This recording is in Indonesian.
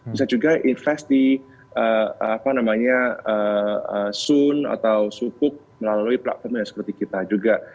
bisa juga investasi di sun atau sukuk melalui platform yang seperti kita juga